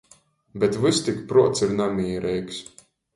Bet vys tik pruots ir namīreigs.